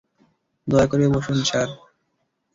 দয়া করে বসুন, স্যার।